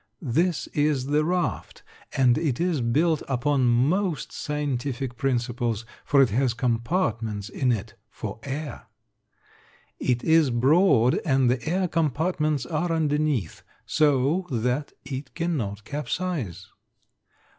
This is the raft, and it is built upon most scientific principles, for it has compartments in it for air. It is broad and the air compartments are underneath, so that it cannot capsize.